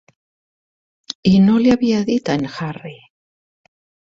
I no li havia dit a en Harry!